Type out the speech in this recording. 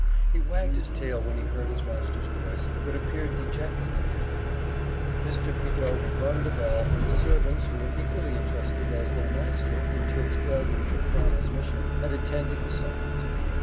He wagged his tail when he heard his master's voice, but appeared dejected and ill. Mr. Prideaux had rung the bell, and the servants, who were equally interested as their master in Turk's failure to perform his mission, had attended the summons.